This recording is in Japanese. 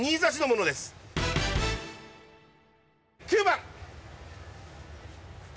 ９番！